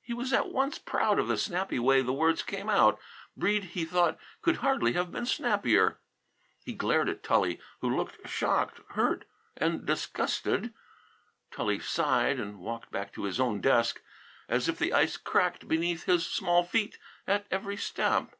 He was at once proud of the snappy way the words came out. Breede, he thought, could hardly have been snappier. He glared at Tully, who looked shocked, hurt, and disgusted. Tully sighed and walked back to his own desk, as if the ice cracked beneath his small feet at every step.